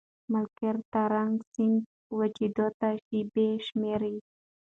ملکیار د ترنک سیند وچېدو ته شېبې شماري.